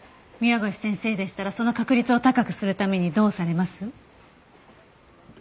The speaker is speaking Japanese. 宮越先生でしたらその確率を高くするためにどうされます？